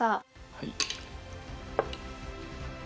はい。